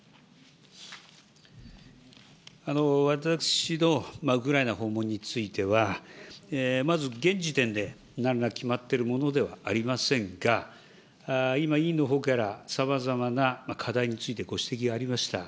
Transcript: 私のウクライナ訪問については、まず現時点でなんら決まってるものではありませんが、今委員のほうからさまざまな課題についてご指摘がありました。